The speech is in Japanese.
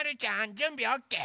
じゅんびオッケー？